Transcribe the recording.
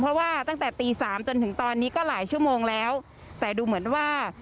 เพราะว่าตั้งแต่ตีสามจนถึงตอนนี้ก็หลายชั่วโมงแล้วแต่ดูเหมือนว่า